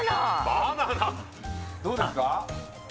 あっどうですか？